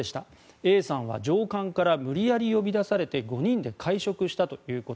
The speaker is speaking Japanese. Ａさんは上官から無理やり呼び出されて５人で会食したと。